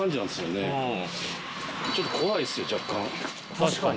確かに。